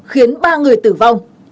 khiến ba người tử vong